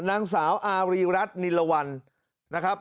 นางสาวอารีรัฐนิลวันนะครับ